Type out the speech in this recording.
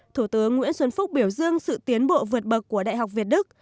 thủ tướng nguyễn xuân phúc biểu dương sự tiến bộ vượt bậc của đại học việt đức